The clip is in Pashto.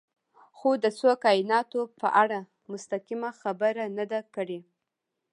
خو د څو کایناتونو په اړه مستقیمه خبره نه ده کړې.